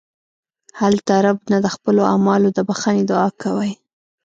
هلته رب نه د خپلو اعمالو د بښنې دعا کوئ.